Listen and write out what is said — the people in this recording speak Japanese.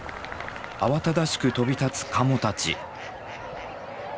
慌ただしく飛び立つカモたち。